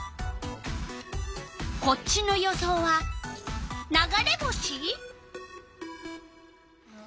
こっちの予想は「流れ星」？